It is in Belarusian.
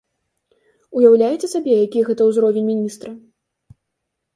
Уяўляеце сабе, які гэта ўзровень міністра!